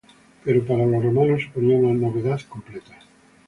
Pero para los romanos suponía una novedad completa.